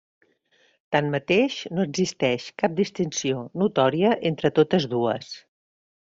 Tanmateix, no existeix cap distinció notòria entre totes dues.